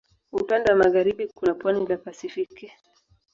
Upande wa magharibi kuna pwani la Pasifiki.